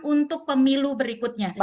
untuk pemilu berikutnya